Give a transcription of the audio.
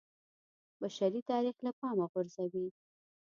بشري تاریخ له پامه غورځوي